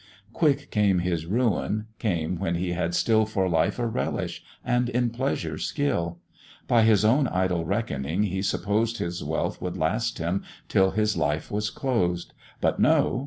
Quick came his ruin, came when he had still For life a relish, and in pleasure skill: By his own idle reckoning he supposed His wealth would last him till his life was closed; But no!